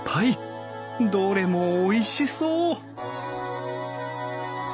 どれもおいしそう！